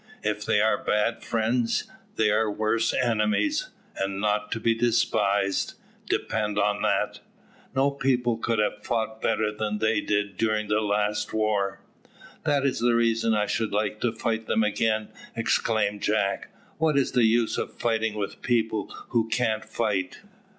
If they are bad friends, they are worse enemies, and not to be despised, depend on that; no people could have fought better than they did during the last war." "That is the reason I should like to fight them again," exclaimed Jack. "What is the use of fighting with people who can't fight?"